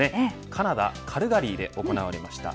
カナダ、カルガリーで行われました